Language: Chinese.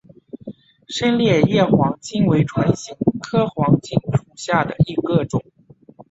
深裂叶黄芩为唇形科黄芩属下的一个种。